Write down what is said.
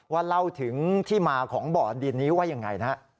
ว่าเล่าถึงที่มาของบ่อนดินนี้ว่าอย่างไรนะครับ